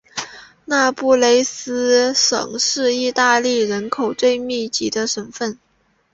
那不勒斯省是意大利人口最密集的省份。